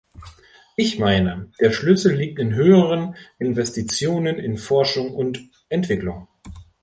Ich meine, der Schlüssel liegt in höheren Investitionen in Forschung und Entwicklung.